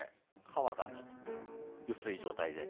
皮が薄い状態で。